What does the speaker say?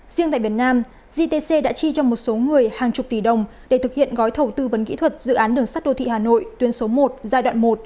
riêng tại việt nam gtc đã chi cho một số người hàng chục tỷ đồng để thực hiện gói thầu tư vấn kỹ thuật dự án đường sắt đô thị hà nội tuyến số một giai đoạn một